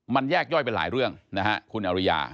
มันแยกย่อยไปหลายเรื่องนะฮะคุณอริยา